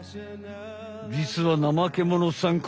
じつはナマケモノさん